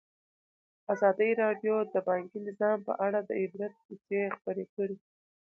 ازادي راډیو د بانکي نظام په اړه د عبرت کیسې خبر کړي.